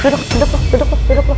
duduk duduk lu